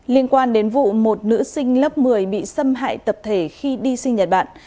liên quan đến vụ một nữ sinh lớp một mươi bị xâm hại tập thể khi đi sinh nhật bản